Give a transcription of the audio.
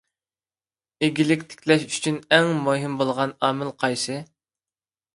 ئىگىلىك تىكلەش ئۈچۈن ئەڭ مۇھىم بولغان ئامىل قايسى؟